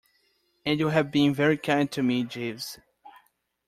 And you have been very kind to me, Jeeves.